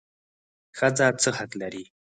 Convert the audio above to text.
ښځه څه حق لري؟